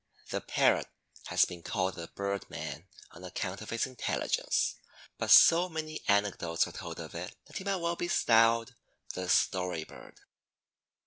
The parrot has been called the "bird man" on account of its intelligence; but so many anecdotes are told of it that it might well be styled the Story bird.